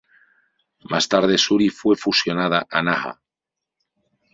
Más tarde Shuri fue fusionada a Naha.